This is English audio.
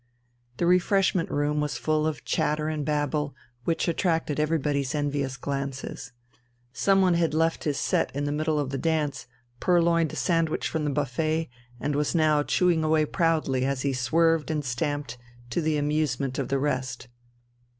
The refreshment room was full of chatter and babble, which attracted everybody's envious glances. Some one had left his set in the middle of the dance, purloined a sandwich from the buffet, and was now chewing away proudly as he swerved and stamped, to the amusement of the rest.